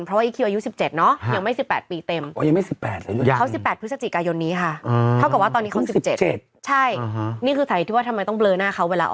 เพราะว่าอีกคิวอายุ๑๗เนาะ